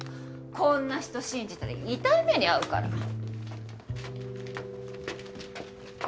こんな人信じたら痛い目に遭うから。